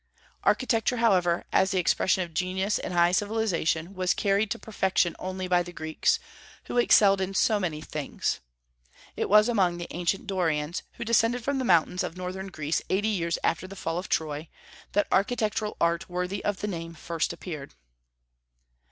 Architecture, however, as the expression of genius and high civilization, was carried to perfection only by the Greeks, who excelled in so many things. It was among the ancient Dorians, who descended from the mountains of northern Greece eighty years after the fall of Troy, that architectural art worthy of the name first appeared.